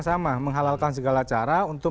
sama menghalalkan segala cara untuk